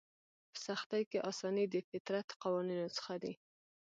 په سختي کې اساني د فطرت قوانینو څخه دی.